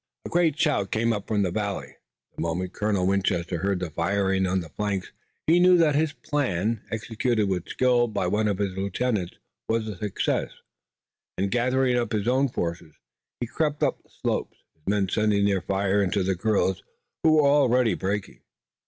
A great shout came up from the valley. The moment Colonel Winchester heard the fire on the flank he knew that his plan, executed with skill by one of his lieutenants, was a success, and, gathering up his own force, he crept up the slopes, his men sending their fire into the guerrillas, who were already breaking.